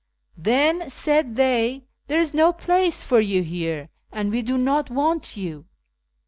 ' Then,' said they, ' there is no place for you here, and we do not want you.'